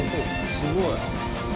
「すごい！」